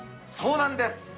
そうなんです。